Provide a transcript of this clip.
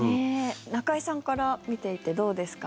中居さんから見ていてどうですか？